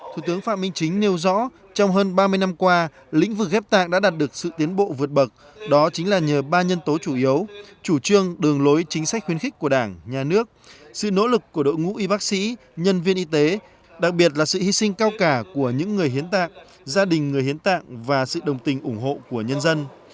thủ tướng phạm minh chính nêu rõ trong hơn ba mươi năm qua lĩnh vực ghép tạng đã đạt được sự tiến bộ vượt bậc đó chính là nhờ ba nhân tố chủ yếu chủ trương đường lối chính sách khuyến khích của đảng nhà nước sự nỗ lực của đội ngũ y bác sĩ nhân viên y tế đặc biệt là sự hy sinh cao cả của những người hiến tạng gia đình người hiến tạng và sự đồng tình ủng hộ của nhân dân